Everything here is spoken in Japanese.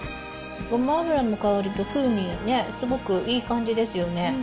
ごま油の香りと風味ね、すごくいい感じですよね。